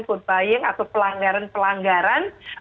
food buying atau pelanggaran pelanggaran